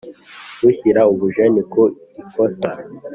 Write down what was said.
Ushyira ubujeni ku ikosa